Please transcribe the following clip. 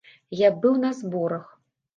Я быў на зборах.